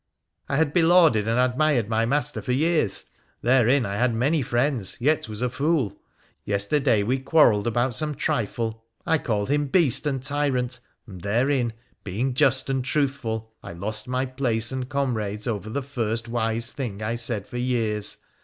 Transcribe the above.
' I had belauded and admired my master for years — therein I had many friends, yet was a fool. Yesterday we quarrelled about some trifle — I called him beast and tyrant, and therein, being just and truthful, I lost my place and com rades over the first wise thing I said for years